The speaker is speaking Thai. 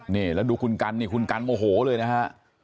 นี่แล้วดูคุณกัลคุณกัลโอโหเลยนะครับ